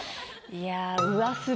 いや。